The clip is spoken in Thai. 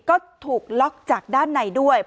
ก็ถูกล็อกจากด้านในด้วย